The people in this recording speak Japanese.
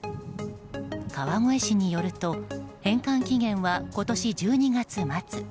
川越市によると返還期限は今年１２月末。